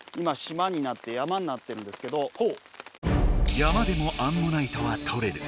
山でもアンモナイトはとれる。